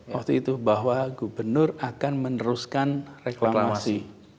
waktu itu bahwa gubernur akan meneruskan reklamasi